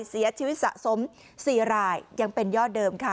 เสียชีวิตสะสม๔รายยังเป็นยอดเดิมค่ะ